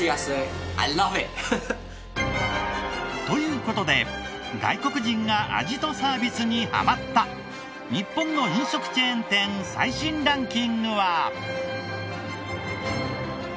という事で外国人が味とサービスにハマった日本の飲食チェーン店最新ランキングは。